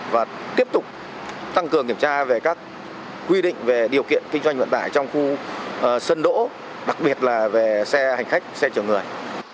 và tiếp tục tăng cường kiểm tra về các quy định về điều kiện kinh doanh vận tải trong khu sân đỗ đặc biệt là về xe hành khách xe chở người